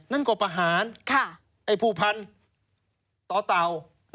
นั่นก็ประหาน